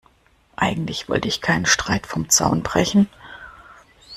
Eigentlich wollte ich keinen Streit vom Zaun brechen.